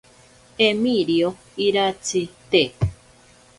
Emirio iratsi te.